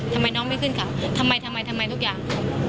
ทำไมน้องไม่ขึ้นเขาทำไมทำไมทุกอย่าง